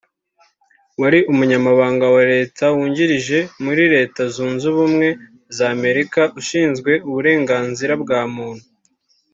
wari Umunyamabanga wa Leta wungirije muri Leta Zunze Ubumwe za Amerika ushinzwe uburenganzira bwa muntu